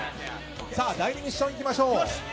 第２ミッションいきましょう。